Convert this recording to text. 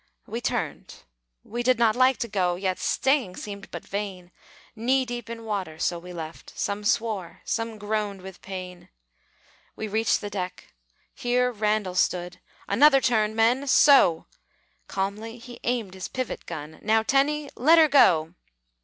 We turned we did not like to go; Yet staying seemed but vain, Knee deep in water; so we left; Some swore, some groaned with pain. We reached the deck. Here Randall stood: "Another turn, men so!" Calmly he aimed his pivot gun: "Now, Tenney, let her go!"